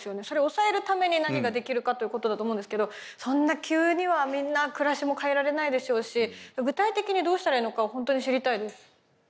それを抑えるために何ができるかということだと思うんですけどそんな急にはみんな暮らしも変えられないでしょうし具体的にどうしたらいいのかをほんとに知りたいです。